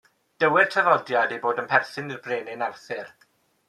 Dywed traddodiad ei bod yn perthyn i'r Brenin Arthur.